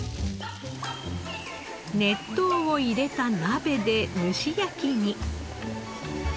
熱湯を入れた鍋で蒸し焼きに。